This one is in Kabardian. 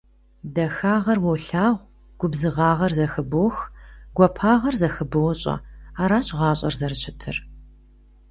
Дахагъэр уолъагъу, губзыгъагъэр зэхыбох, гуапагъэр зэхыбощӏэ. Аращ гъащӏэр зэрыщытыр.